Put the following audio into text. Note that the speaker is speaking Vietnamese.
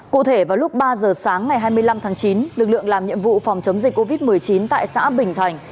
cụ thể vào lúc ba giờ sáng ngày hai mươi năm tháng chín lực lượng làm nhiệm vụ phòng chống dịch covid một mươi chín tại xã bình thành